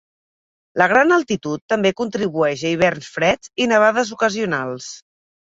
La gran altitud també contribueix a hiverns freds i nevades ocasionals.